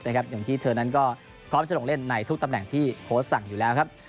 อย่างที่เธอนั้นก็พร้อมจะลงเล่นในทุกตำแหน่งที่โค้ชสั่งอยู่แล้วครับ